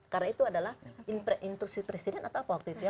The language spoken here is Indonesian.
karena itu adalah intrusi presiden atau apa waktu itu ya